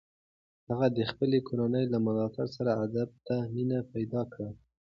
هغې د خپلې کورنۍ له ملاتړ سره ادب ته مینه پیدا کړه.